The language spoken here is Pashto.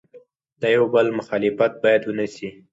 د یو بل مخالفت باید ونسي.